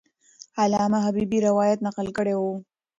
علامه حبیبي روایت نقل کړی وو.